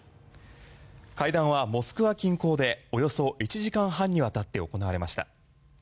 会談はモスクワ近郊でおよそ１時間半にわたって行われました。